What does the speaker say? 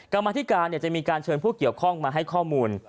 กรรมธิการจะมีการเชิญผู้เกี่ยวข้องมาให้ข้อมูล